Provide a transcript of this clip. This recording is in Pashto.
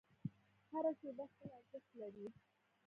هره شیبه خپل ارزښت لري.